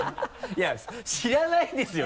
いや知らないですよ！